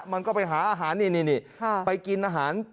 มันก็ไปหาอาหารนี่นี่นี่ค่ะไปกินอาหาร